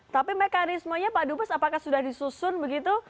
tapi mekanismenya pak dubes apakah sudah disusun begitu